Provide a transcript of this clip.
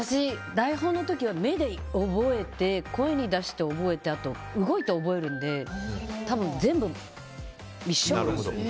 台本の時、目で覚えて声に出して覚えてあと動いて覚えるので多分、全部一緒。